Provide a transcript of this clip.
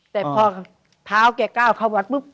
แต่พอเท้าแกก้าวเข้าวัดปุ๊บ